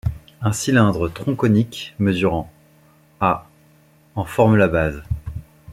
Un cylindre tronconique mesurant à en forme la base.